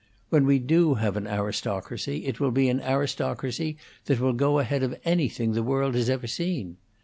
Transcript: When we do have an aristocracy, it will be an aristocracy that will go ahead of anything the world has ever seen.